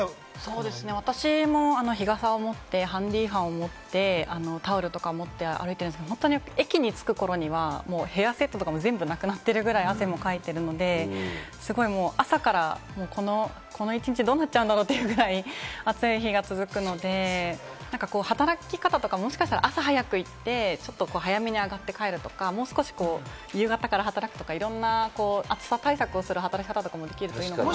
私も日傘を持ってハンディファンを持ってタオルとか持って歩いてるんですけれども、駅に着く頃にはヘアセットとかも、もうなくなってるぐらい汗をかいてるんで、朝からこの一日どうなっちゃうんだろう？というぐらい暑い日が続くので、働き方とか、もしかしたら朝早く行って早めにあがって帰るとか、もう少し夕方から働くとか、いろんな暑さ対策をする働き方ができたらいいのかなって。